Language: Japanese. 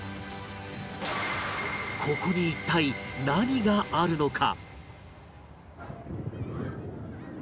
ここに一体何があるのか？